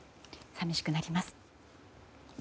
寂しくなります。